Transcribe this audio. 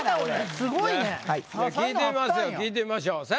聞いてみましょう。